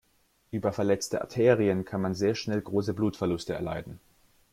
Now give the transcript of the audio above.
Über verletzte Arterien kann man sehr schnell große Blutverluste erleiden.